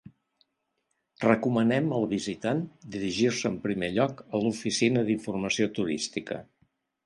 Recomanem al visitant dirigir-se en primer lloc a l'oficina d'informació turística.